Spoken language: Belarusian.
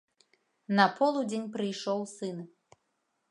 На полудзень прыйшоў сын.